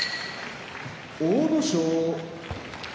阿武咲